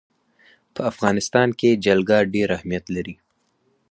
په افغانستان کې جلګه ډېر اهمیت لري.